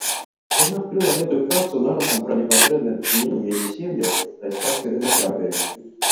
Яна адкрыла гэтую працу нарысам пра непасрэднае дачыненне яе сем'яў да іспанскай дэмакратыі.